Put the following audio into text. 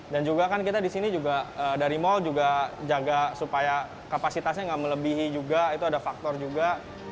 dan juga kan kita disini juga dari mall juga jaga supaya kapasitasnya gak melebihi juga itu ada faktor juga